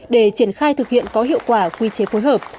để triển khai thực hiện có hiệu quả quy chế phối hợp